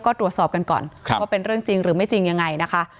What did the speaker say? ก็ตรวจสอบกันก่อนว่าเป็นเรื่องจริงหรือไม่จริงยังไงนะคะ